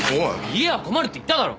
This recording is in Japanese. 家は困るって言っただろ！